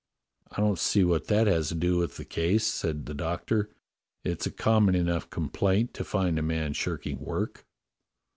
"I don't see what that has to do with the case," said the Doctor. "It's a common enough complaint to find a man shirking work."